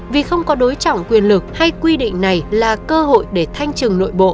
vì không có đối trọng quyền lực hay quy định này là cơ hội để thanh trừng nội bộ